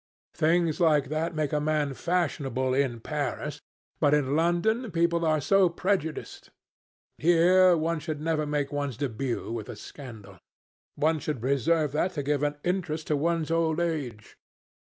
Things like that make a man fashionable in Paris. But in London people are so prejudiced. Here, one should never make one's début with a scandal. One should reserve that to give an interest to one's old age.